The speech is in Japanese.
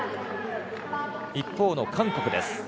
一方の韓国です。